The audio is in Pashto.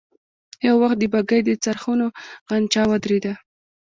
يو وخت د بګۍ د څرخونو غنجا ودرېده.